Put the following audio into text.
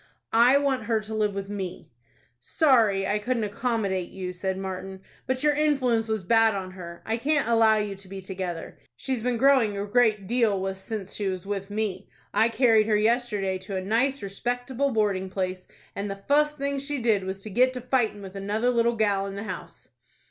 "I want her to live with me." "Sorry I couldn't accommodate you," said Martin, "but your influence was bad on her. I can't allow you to be together. She's been growing a great deal wus since she was with me. I carried her yesterday to a nice, respectable boarding place, and the fust thing she did was to get to fighting with another little gal in the house."